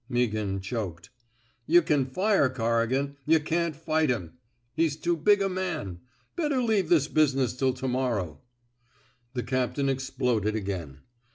" Meaghan choked. Yuh can fire Corrigan. Yuh can't fight him. He's too big a man. ... Better leave this bus'ness till to morrow." The captain exploded again.